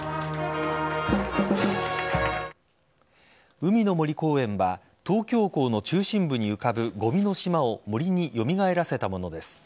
海の森公園は東京港の中心部に浮かぶ、ごみの島を森に蘇らせたものです。